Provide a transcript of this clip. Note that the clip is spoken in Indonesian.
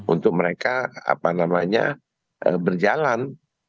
untuk mereka apa namanya berjalan